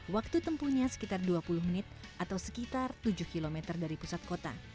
waktu tempuhnya sekitar dua puluh menit atau sekitar tujuh km dari pusat kota